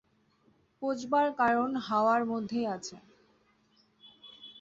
পচবার কারণ হাওয়ার মধ্যেই আছে।